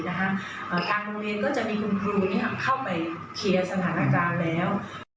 ทางโรงเรียนก็จะมีคุณครูเข้าไปเคลียร์สถานการณ์แล้ว